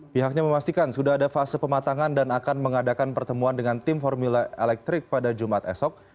pihaknya memastikan sudah ada fase pematangan dan akan mengadakan pertemuan dengan tim formula elektrik pada jumat esok